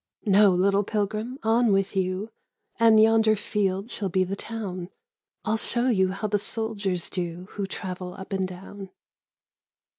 25 Refugees " No, little pilgrim, on with you, And yonder field shall be the town. I'll show you how the soldiers do Who travel up and down.